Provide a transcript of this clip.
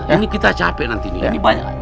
ini kita capek nanti ini banyak